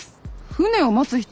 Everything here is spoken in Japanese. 「船を待つ人」？